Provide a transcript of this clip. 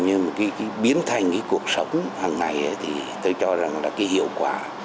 nhưng mà cái biến thành cái cuộc sống hàng ngày thì tôi cho rằng là cái hiệu quả